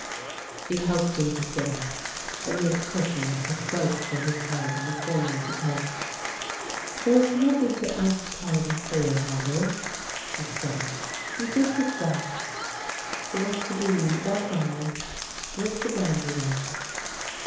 " She helped him to sit up, and made a cushion of her cloak for his head in a corner of the coach. '' There is nothing to ask pardon for, Havel," she said; " you did your best. It was to be — that's all ! Drink the brandy now."